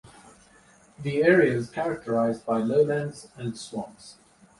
The area is characterized by lowlands and swamps.